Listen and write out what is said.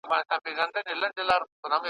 آه د لمر کجاوه څه سوه؟ ,